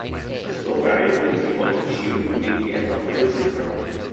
The slow variable is the voltage "U" between the ends of the resistor.